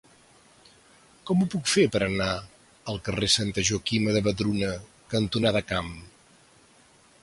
Com ho puc fer per anar al carrer Santa Joaquima de Vedruna cantonada Camp?